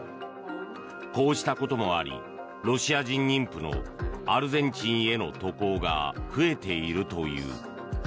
こうしたこともありロシア人妊婦のアルゼンチンへの渡航が増えているという。